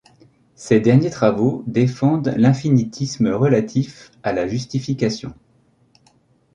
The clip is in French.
Ses derniers travaux défendent l'infinitisme relatif à la justification.